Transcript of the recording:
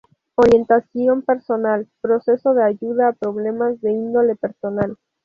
Orientación personal: Proceso de ayuda a problemas de índole personal.